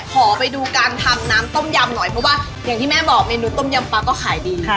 ขอไปดูการทำน้ำต้มยำหน่อยเพราะว่าอย่างที่แม่บอกเมนูต้มยำปลาก็ขายดี